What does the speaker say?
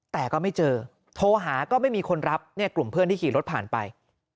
แต่ก็ไม่เจอโทรหาก็ไม่มีคนรับเนี่ยกลุ่มเพื่อนที่ขี่รถผ่านไป